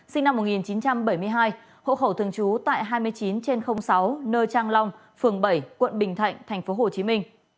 sinh năm một nghìn chín trăm bảy mươi hai hộ khẩu thường trú tại hai mươi chín trên sáu nơi trang long phường bảy quận bình thạnh tp hcm